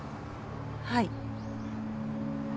はい。